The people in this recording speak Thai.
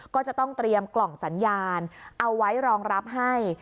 ก็จะต้องเตรียมกล่องสัญญาณเอาไว้รองรับให้